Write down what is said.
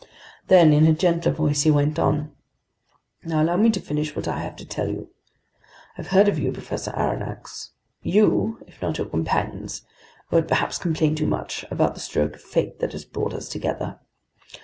Then, in a gentler voice, he went on: "Now, allow me to finish what I have to tell you. I've heard of you, Professor Aronnax. You, if not your companions, won't perhaps complain too much about the stroke of fate that has brought us together.